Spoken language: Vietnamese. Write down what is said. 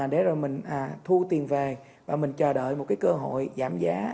để rồi mình thu tiền về và mình chờ đợi một cái cơ hội giảm giá